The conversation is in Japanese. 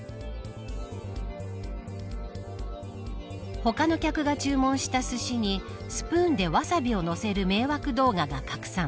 他の客が注文したすしにスプーンでわさびをのせる迷惑動画が拡散。